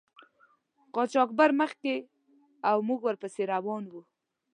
قاچاقبر مخکې او موږ ور پسې روان وو.